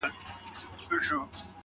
لټ پر لټ اوړمه د شپې، هغه چي بيا ياديږي.